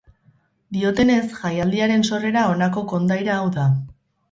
Diotenez jaialdiaren sorrera honako kondaira hau da.